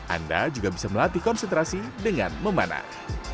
anda juga bisa melatih konsentrasi dengan memanah